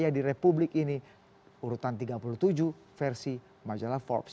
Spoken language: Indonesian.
dan di depan republik ini urutan tiga puluh tujuh versi majalah forbes